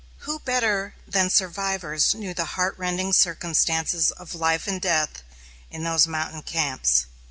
Who better than survivors knew the heart rending circumstances of life and death in those mountain camps?